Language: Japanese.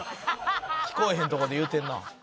聞こえへんとこで言うてんな。